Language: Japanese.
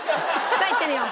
さあいってみよう。